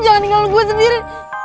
jangan tinggal gue sendiri